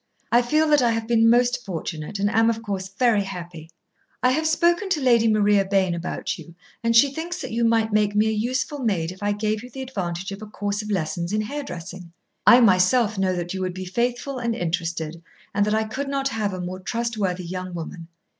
I feel that I have been most fortunate, and am, of course, very happy. I have spoken to Lady Maria Bayne about you, and she thinks that you might make me a useful maid if I gave you the advantage of a course of lessons in hairdressing. I myself know that you would be faithful and interested and that I could not have a more trustworthy young woman.